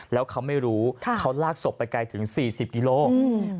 แล้วเขาไม่รู้เขาลากศพไปไกลถึง๔๐กิโลกรัม